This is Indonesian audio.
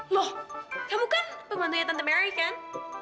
loh kamu kan pembantunya tante mari kan